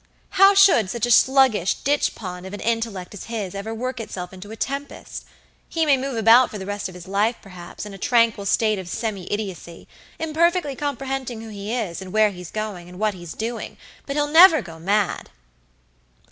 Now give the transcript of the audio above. How should such a sluggish ditch pond of an intellect as his ever work itself into a tempest? He may move about for the rest of his life, perhaps, in a tranquil state of semi idiotcy, imperfectly comprehending who he is, and where he's going, and what he's doingbut he'll never go mad."